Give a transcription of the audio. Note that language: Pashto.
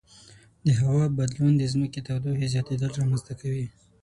د هوا بدلون د ځمکې د تودوخې زیاتیدل رامنځته کوي.